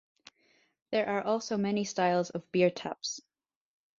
There are also many styles of beer taps.